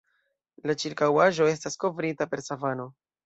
La ĉirkaŭaĵo estas kovrita per savano.